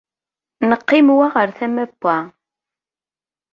Neqqim wa ɣer tama n wa.